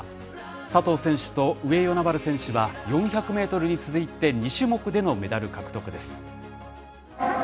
佐藤選手と上与那原選手は４００メートルに続いて２種目でのメダル獲得です。